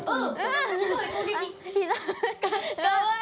かわいい。